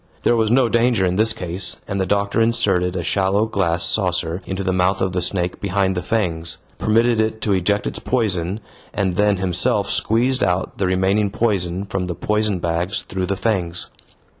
There was no danger in this case, and the doctor inserted a shallow glass saucer into the mouth of the snake behind the fangs, permitted it to eject its poison, and then himself squeezed out the remaining poison from the poison bags through the fangs.